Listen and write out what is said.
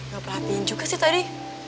gak perhatiin juga sih tadi